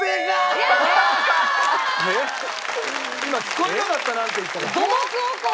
今聞こえなかったなんて言ったか。